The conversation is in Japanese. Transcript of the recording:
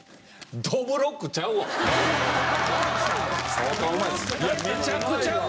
相当うまいっすよ。